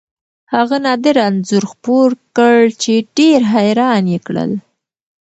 هغه نادره انځور خپور کړ چې ډېر حیران یې کړل.